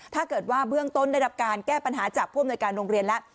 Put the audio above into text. ถ้าเกิดว่าเบื้องต้นได้รับการแก้ปัญหาจากผู้อำนวยการโรงเรียนแล้ว